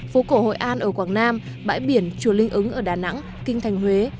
phố cổ hội an ở quảng nam bãi biển chùa linh ứng ở đà nẵng kinh thành huế